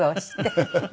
ハハハハ。